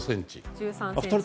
１３ｃｍ。